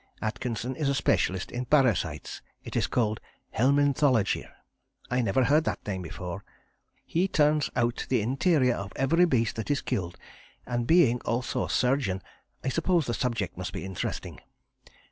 Atkinson is a specialist in parasites: it is called 'Helminthology.' I never heard that name before. He turns out the interior of every beast that is killed, and being also a surgeon, I suppose the subject must be interesting.